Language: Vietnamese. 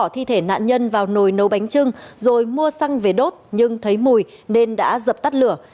thi thể nạn nhân vào nồi nấu bánh trưng rồi mua xăng về đốt nhưng thấy mùi nên đã dập tắt lửa